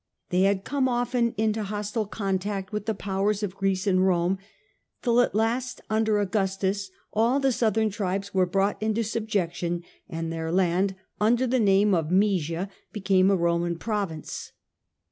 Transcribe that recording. They had come often into hostile contact with the powers of Greece and Rome, till at last, under Augustus, all the southern tribes were brought into subjection, and their land, under the name of Moesia, became a Roman province.